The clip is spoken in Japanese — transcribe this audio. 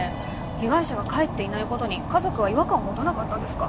被害者が帰っていないことに家族は違和感を持たなかったんですか？